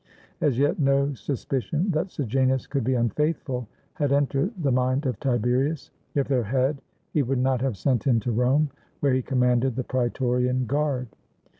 As yet no suspicion that Sejanus could be unfaithful had entered the mind of Tiberius ; if there had, he would not have sent him to Rome, where he commanded the Praetorian Guard.